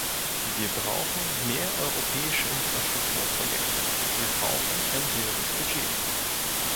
Wir brauchen mehr europäische Infrastrukturprojekte, wir brauchen ein höheres Budget.